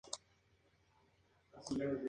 El club no posee estadio propio.